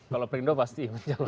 kalau perindo pasti mencalonkan